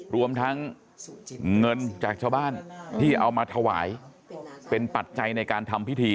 รวมทั้งเงินจากชาวบ้านที่เอามาถวายเป็นปัจจัยในการทำพิธี